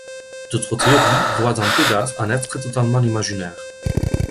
D'autres théories voient dans Pégase un être totalement imaginaire.